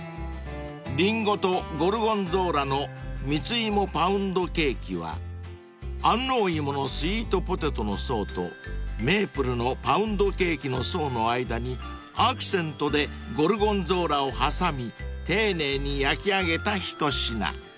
［林檎とゴルゴンゾーラの蜜芋パウンドケーキは安納いものスイートポテトの層とメープルのパウンドケーキの層の間にアクセントでゴルゴンゾーラを挟み丁寧に焼き上げた一品］